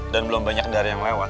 dan belum banyak dari yang lewat